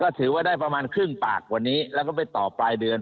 ก็ถือว่าได้ได้ประมาณครึ่งปากไปต่อปลายเดือน